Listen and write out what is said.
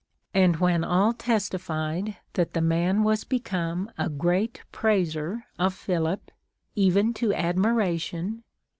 And when all testified that the man was become a great praiser of Philip, even to ad miration.